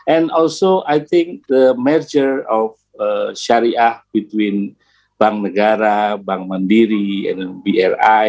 dan juga saya pikir jumlah shariah antara bank negara bank mandiri dan bri